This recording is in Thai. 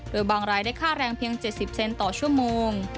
โดยบางรายได้ค่าแรงเพียง๗๐เซนต่อชั่วโมง